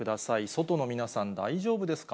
外の皆さん、大丈夫ですか？